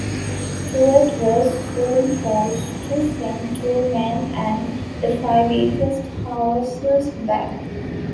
Stuart was soon forced to send two men and the five weakest horses back.